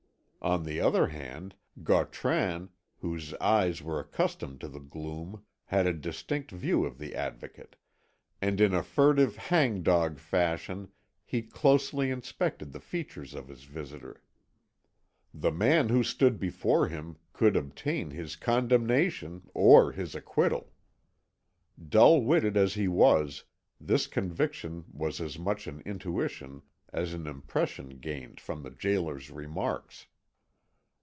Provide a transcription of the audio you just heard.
On the other hand. Gautran, whose eyes were accustomed to the gloom, had a distinct view of the Advocate, and in a furtive, hangdog fashion he closely inspected the features of his visitor. The man who stood before him could obtain his condemnation or his acquittal. Dull witted as he was, this conviction was as much an intuition as an impression gained from the gaoler's remarks.